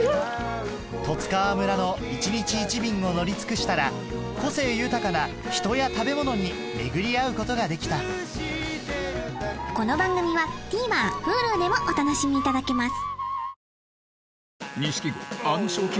十津川村の１日１便を乗り尽くしたら個性豊かな人や食べ物に巡り合うことができたこの番組はＴＶｅｒＨｕｌｕでもお楽しみいただけます